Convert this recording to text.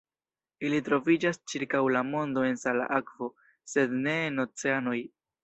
Ili troviĝas ĉirkaŭ la mondo en sala akvo, sed ne en oceanoj.